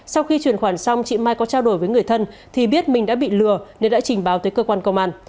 sau khi chuyển khoản xong chị mai có trao đổi với người thân thì biết mình đã bị lừa nên đã trình báo tới cơ quan công an